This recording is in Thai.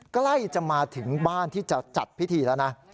ใกล้จะมาถึงบ้านที่จะจัดพิธีแล้วนะ